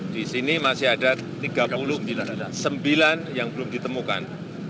di sini masih ada tiga puluh sembilan yang belum ditemukan